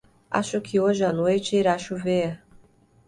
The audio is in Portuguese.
Acho que hoje a noite irá chover